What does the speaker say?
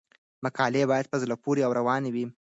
مقالې باید په زړه پورې او روانې وي.